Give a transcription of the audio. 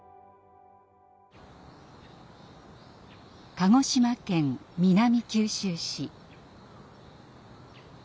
鹿児島県南九州市。